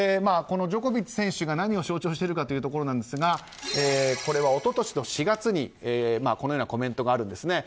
ジョコビッチ選手が何を象徴してるかというところなんですがこれは一昨年の４月にこのようなコメントがあるんです。